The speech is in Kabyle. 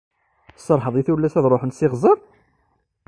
Tserḥeḍ i tullas ad ṛuḥent s iɣzer?